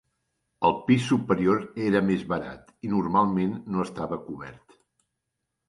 El pis superior era més barat i normalment no estava cobert.